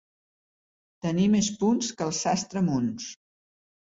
Tenir més punts que el sastre Munts.